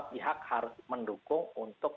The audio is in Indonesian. pihak harus mendukung untuk